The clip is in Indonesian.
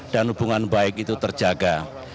dan hubungan baik itu terjaga